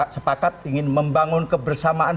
sepakat ingin membangun kebersamaan